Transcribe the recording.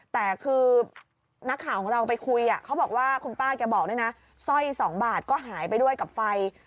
แต่คือนักข่าวของเราไปคุยเขาบอกว่าคุณป้าแกบอกด้วยนะสร้อย๒บาทก็หายไปด้วยกับไฟ